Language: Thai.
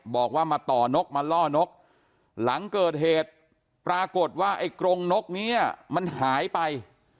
บอกว่ามาต่อนกมาล่อนกหลังเกิดเหตุปรากฏว่าไอ้กรงนกนี้มันหายไป